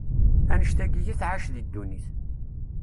annect-agi i tɛac di ddunit.